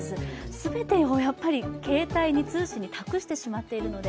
全てを携帯、通信に託してしまっているので。